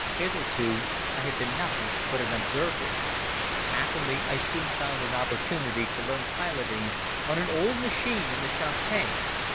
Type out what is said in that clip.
Hitherto I had been nothing but an observer. Happily I soon found an opportunity to learn piloting on an old machine in the Champagne.